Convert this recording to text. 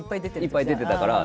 いっぱい出てたから。